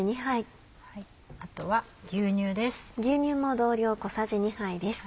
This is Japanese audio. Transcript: あとは牛乳です。